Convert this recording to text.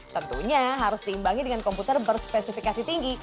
tentunya harus diimbangi dengan komputer berspesifikasi tinggi